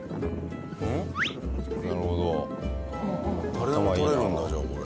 誰でも撮れるんだじゃあこれ。